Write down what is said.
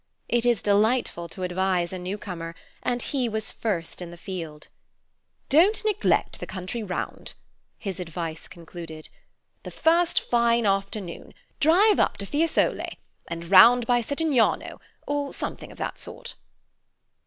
It is delightful to advise a newcomer, and he was first in the field. "Don't neglect the country round," his advice concluded. "The first fine afternoon drive up to Fiesole, and round by Settignano, or something of that sort."